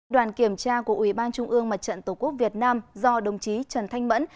đoàn kiểm tra của ủy ban trung ương mặt trận tổ quốc việt nam do đồng chí trần thanh mẫn